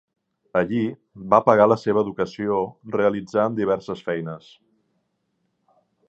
Allí va pagar la seva educació realitzant diverses feines.